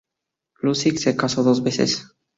Luksic se casó dos veces.